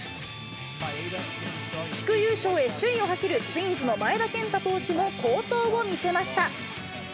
地区優勝へ、首位を走るツインズの前田健太投手も好投を見せました。